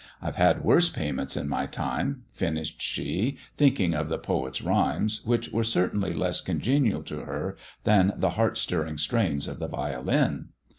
I've had worse payments i my time/' finished she, thinking of the poet's rhyme which were certainly less congenial to her than the hear stirring strains of the violin.